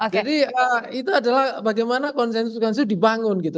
jadi itu adalah bagaimana konsensus konsensus dibangun gitu